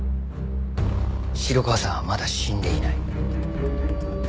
城川さんはまだ死んでいない。